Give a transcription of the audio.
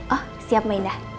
oh siap mbak indah